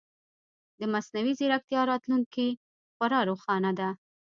د مصنوعي ځیرکتیا راتلونکې خورا روښانه ده.